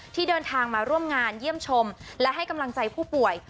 ที่เดินทางมาร่วมงานเยี่ยมชมและให้กำลังใจผู้ป่วย